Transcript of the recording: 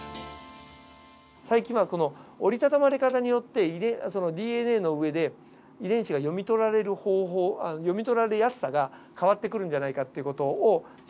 最近は折りたたまれ方によってＤＮＡの上で遺伝子が読み取られる方法読み取られやすさが変わってくるんじゃないかっていう事を調べようとしてます。